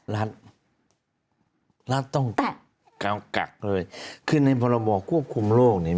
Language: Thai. รัฐรัฐต้องแตะกักเลยคือในพรบควบคุมโรคเนี่ย